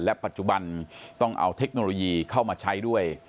ปัจจุบันต้องเอาเทคโนโลยีเข้ามาใช้ด้วย